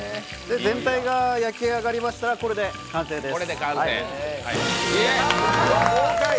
全体が焼き上がりましたらこれで完成です。